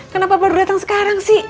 kenapa baru datang sekarang sih